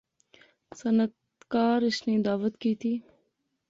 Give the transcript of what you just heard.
صنعتکار اس نی دعوت کیتی